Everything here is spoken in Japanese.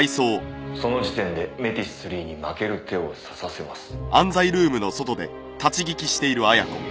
その時点でＭＥＴｉＳⅢに負ける手を指させます。